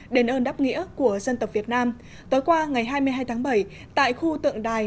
đền ơn đáp nghĩa của dân tộc việt nam tối qua ngày hai mươi hai tháng bảy tại khu tượng đài